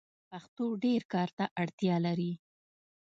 پښتو ډير کار ته اړتیا لري.